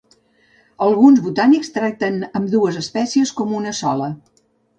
Alguns botànics tracten ambdues espècies com una sola.